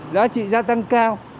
giá trị gia tăng cao